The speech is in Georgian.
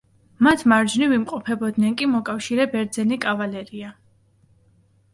მათ მარჯვნივ იმყოფებოდნენ კი მოკავშირე ბერძენი კავალერია.